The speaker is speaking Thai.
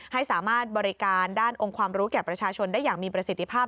ให้สามารถบริการด้านองค์ความรู้แก่ประชาชนได้อย่างมีประสิทธิภาพ